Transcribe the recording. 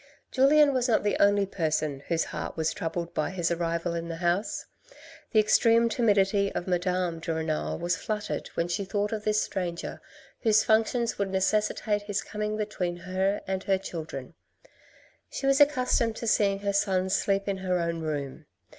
Julien was not the only person whose heart was troubled by his arrival in the house. The extreme timidity of Madame de Renal was fluttered when she thought of this stranger whose functions would necessitate his coming between her and her children. She was accustomed to seeing her sons sleep in her own room.